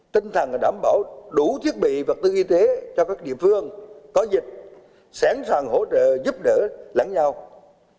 tinh thần là đảm bảo đủ thiết bị vật tư y tế cho các địa phương có dịch sẵn sàng hỗ trợ giúp đỡ lãng nhau khi cần biết